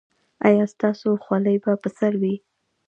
ایا ستاسو خولۍ به پر سر وي؟